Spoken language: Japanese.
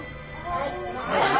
はい。